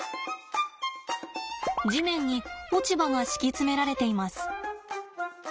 地面に落ち葉が敷き詰められています。